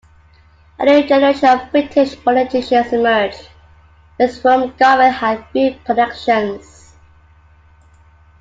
A new generation of British politicians emerged with whom Garvin had few connections.